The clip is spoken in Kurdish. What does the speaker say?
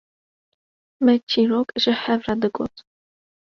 me çîrok ji hev re digot